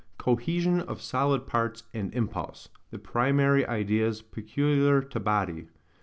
Cohesion of solid parts and Impulse, the primary ideas peculiar to Body.